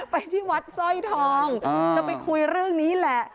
ไปที่วัดสร้อยทองจะไปคุยเรื่องนี้แหละ